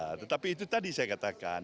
nah tetapi itu tadi saya katakan